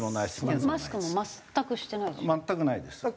マスクも全くしてないですよね。